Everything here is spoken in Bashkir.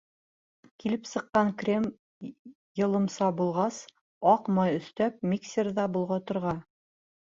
Килеп сыҡҡан крем йылымса булғас, аҡ май өҫтәп миксерҙа болғатырға.